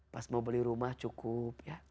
pas mau beli rumah cukup ya